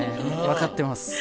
分かってます。